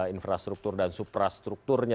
infrastruktur dan suprastrukturnya